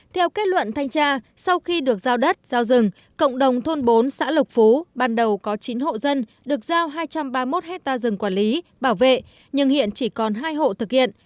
theo kết luận thanh tra sau khi được giao đất giao rừng cộng đồng thôn bốn xã lộc phú ban đầu có chín hộ dân được giao hai trăm ba mươi một hectare rừng quản lý bảo vệ nhưng hiện chỉ còn hai hộ thực hiện